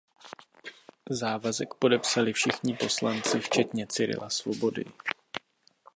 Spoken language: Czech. Závazek podepsali všichni poslanci včetně Cyrila Svobody.